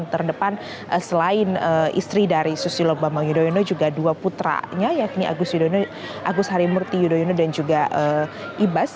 terdepan selain istri dari susilo bambang yudhoyono juga dua putranya yakni agus harimurti yudhoyono dan juga ibas